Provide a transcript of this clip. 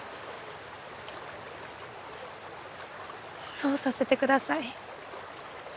そうさせてください。